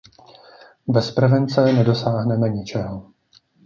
Bez prevence nedosáhneme ničeho.